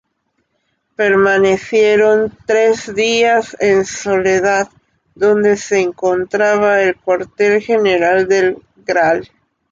Permanecieron tres días en Soledad, donde se encontraba el Cuartel General del Gral.